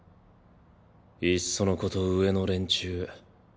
いっそのこと上の連中